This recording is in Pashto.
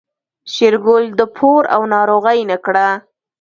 شېرګل د پور او ناروغۍ نه کړه.